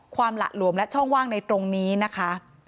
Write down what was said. หละหลวมและช่องว่างในตรงนี้นะคะ